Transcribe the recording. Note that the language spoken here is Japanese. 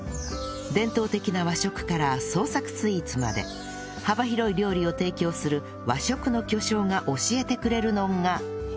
伝統的な和食から創作スイーツまで幅広い料理を提供する和食の巨匠が教えてくれるのが